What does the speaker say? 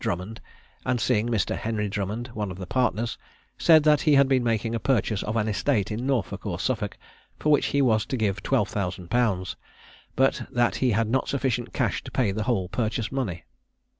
Drummond, and seeing Mr. Henry Drummond, one of the partners, said that he had been making a purchase of an estate in Norfolk or Suffolk, for which he was to give 12,000_l._, but that he had not sufficient cash to pay the whole purchase money.